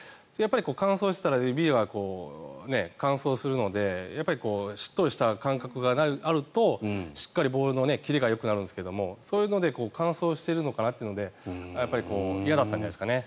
それで乾燥していたら指は乾燥するのでやっぱりしっとりした感覚があるとしっかりボールのキレがよくなるんですけどもそういうので乾燥しているのかなというので嫌だったんじゃないですかね。